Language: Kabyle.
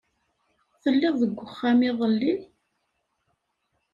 Telliḍ deg uxxam iḍelli?